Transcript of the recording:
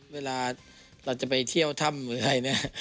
เวลาเราจะไปเที่ยวถ้ำรหรือไหนนะ